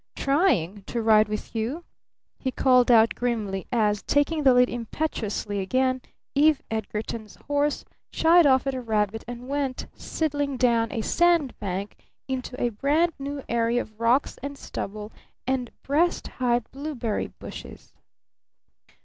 Trying to ride with you!" he called out grimly as, taking the lead impetuously again, Eve Edgarton's horse shied off at a rabbit and went sidling down a sand bank into a brand new area of rocks and stubble and breast high blueberry bushes.